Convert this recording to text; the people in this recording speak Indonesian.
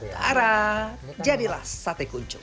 taraaa jadilah sate kuncung